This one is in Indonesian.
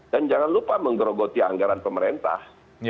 jangan lupa menggerogoti anggaran pemerintah